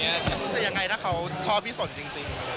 คิดว่าหรือจะก็อย่างไรถ้าเขาชอบที่สนจริง